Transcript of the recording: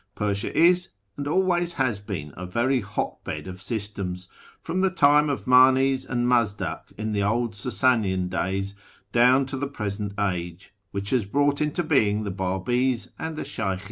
Persia is, and always has been, a very hot bed of systems, from the time of Manes and Mazdak in the old Sasanian days, down to the present age, which has brought into being the Babi's and the Sheykhis.